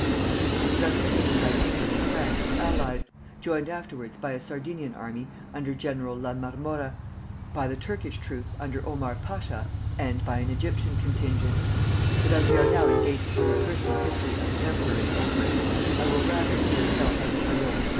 It was undertaken by England and France as allies, joined afterwards by a Sardinian army under General La Marmora, by the Turkish troops under Omar Pasha, and by an Egyptian contingent; but as we are now engaged on the personal history of the emperor and empress, I will rather here tell how Napoleon III.